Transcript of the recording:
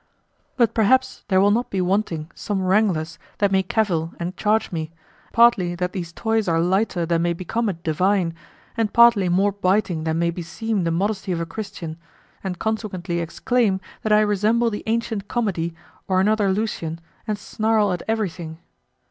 But perhaps there will not be wanting some wranglers that may cavil and charge me, partly that these toys are lighter than may become a divine, and partly more biting than may beseem the modesty of a Christian, and consequently exclaim that I resemble the ancient comedy, or another Lucian, and snarl at everything.